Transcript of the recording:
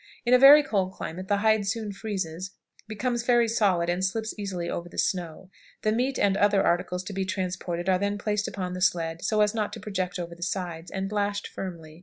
In a very cold climate the hide soon freezes, becomes very solid, and slips easily over the snow. The meat and other articles to be transported are then placed upon the sled so as not to project over the sides, and lashed firmly.